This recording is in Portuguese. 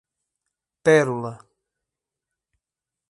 Pérola